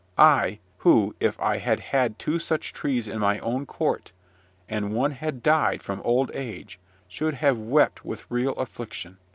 I, who, if I had had two such trees in my own court, and one had died from old age, should have wept with real affliction.